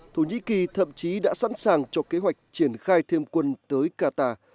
thổ nhĩ kỳ thậm chí đã sẵn sàng cho kế hoạch triển khai thêm quân tới qatar